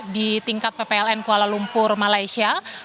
di tingkat ppln kuala lumpur malaysia